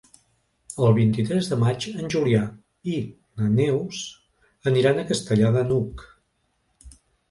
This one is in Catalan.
El vint-i-tres de maig en Julià i na Neus aniran a Castellar de n'Hug.